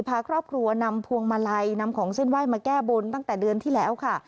พาครอบครัวนำพวงมาลัยนำของเส้นไหว้มาแก้บนตั้งแต่เดือนที่แล้วค่ะ